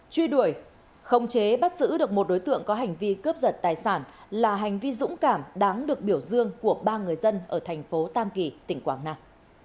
truy đuổi khống chế bắt giữ được một đối tượng có hành vi cướp giật tài sản là hành vi dũng cảm đáng được biểu dương của ba người dân ở thành phố tam kỳ tỉnh quảng nam